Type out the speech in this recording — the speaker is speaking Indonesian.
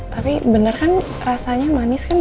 tapi bener kan rasanya manis kan